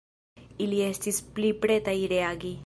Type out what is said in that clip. Ili estis pli pretaj reagi.